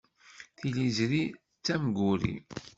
Tiliẓri d tamguri.